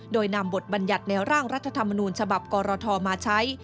โดยนำบทบัญญัติในร่างรัฐธรรมนูญฉบับกรทมาใช้